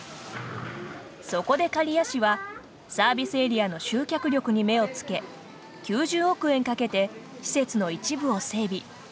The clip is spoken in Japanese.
そこで刈谷市はサービスエリアの集客力に目をつけ９０億円かけて施設の一部を整備。